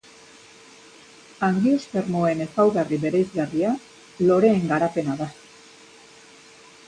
Angiospermoen ezaugarri bereizgarria loreen garapena da.